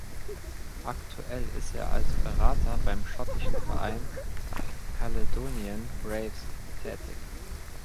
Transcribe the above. Aktuell ist er als Berater beim schottischen Verein Caledonian Braves tätig.